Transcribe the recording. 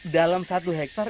dalam satu hektar